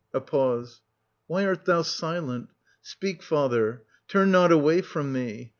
\A pause. Why art thou silent.? Speak, father: — turn not away from me.